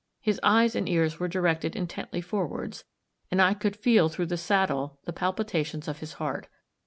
His eyes and ears were directed intently forwards; and I could feel through the saddle the palpitations of his heart.